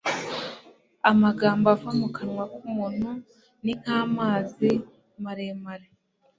amagambo ava mu kanwa k'umuntu ni nk'amazi maremare